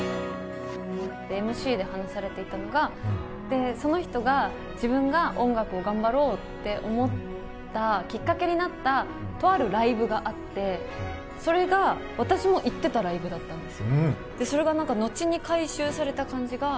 ＭＣで話されていたのがその人が自分が音楽を頑張ろうと思ったきっかけになったとあるライブがあってそれが私も行ってたライブだったんです。